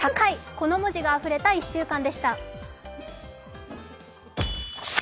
この文字があふれた１週間でした。